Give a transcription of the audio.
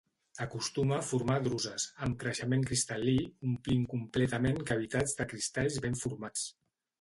Acostuma a formar druses, amb creixement cristal·lí omplint completament cavitats de cristalls ben formats.